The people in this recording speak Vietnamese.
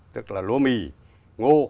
tức là lúa mì ngô